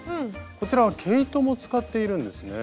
こちらは毛糸も使っているんですね。